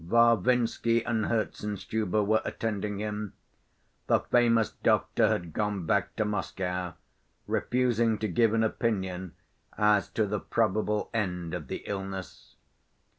Varvinsky and Herzenstube were attending him. The famous doctor had gone back to Moscow, refusing to give an opinion as to the probable end of the illness.